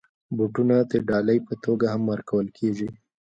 بوټونه د ډالۍ په توګه هم ورکول کېږي.